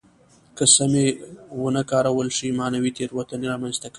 که سمې ونه کارول شي معنوي تېروتنې را منځته کوي.